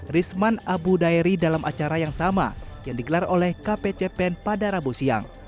risman abu daeri dalam acara yang sama yang digelar oleh kpcpen pada rabu siang